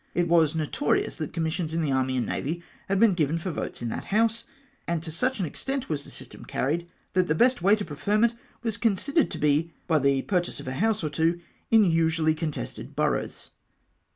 It icas notorious that commissions in the Army and Navy had been given for votes in that House, and to such an extent w^as the system carried, that the best way to preferment was considered to be by the pur chase of a house or two in usually contested boroughs.